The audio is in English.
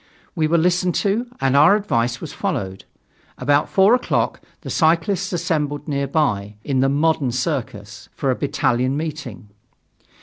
We were listened to, and our advice vas followed. About four o'clock, the cyclists assembled nearby, in the "Modern" Circus, for a battalion meeting.